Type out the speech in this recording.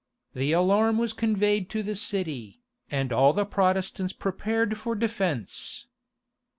The alarm was conveyed to the city, and all the Protestants prepared for defence.